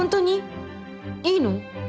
いいの？